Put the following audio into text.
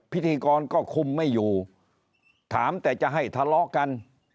พิธีกรก็คุมไม่อยู่ถามแต่จะให้ทะเลาะกัน